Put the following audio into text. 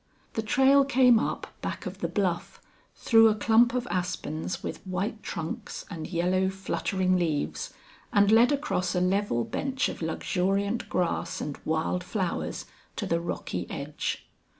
The trail came up back of the bluff, through a clump of aspens with white trunks and yellow fluttering leaves, and led across a level bench of luxuriant grass and wild flowers to the rocky edge.